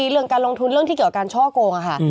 เรื่องการลงทุนเรื่องที่เกี่ยวกับการช่อโกงค่ะ